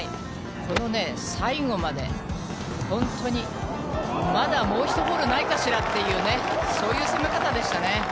このね、最後まで本当に、まだもう１ホールないかしらっていうね、そういう攻め方でしたね。